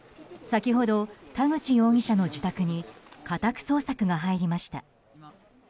先ほど田口容疑者の自宅に家宅捜索が入りました。